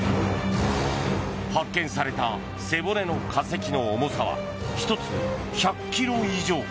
発見された背骨の化石の重さは１つ１００ｋｇ以上。